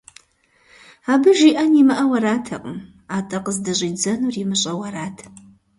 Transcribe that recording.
Абы жиӀэн имыӀэу аратэкъым, атӀэ къыздыщӀидзэнур имыщӀэу арат.